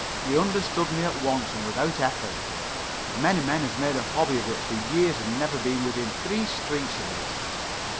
He understood me at once and without effort. Many men have made a hobby of it for years and never been within three streets of it.